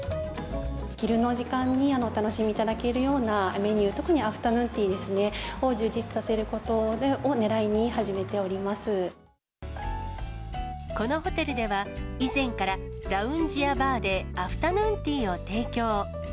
昼の時間にお楽しみいただけるようなメニュー、特にアフタヌーンティーですね、充実させることをねらいに始めてこのホテルでは、以前からラウンジやバーでアフタヌーンティーを提供。